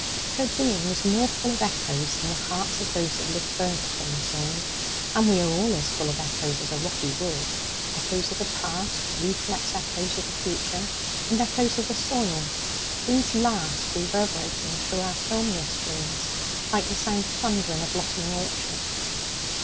Her being was more full of echoes than the hearts of those that live further from the soil; and we are all as full of echoes as a rocky wood echoes of the past, reflex echoes of the future, and echoes of the soil (these last reverberating through our filmiest dreams, like the sound of thunder in a blossoming orchard).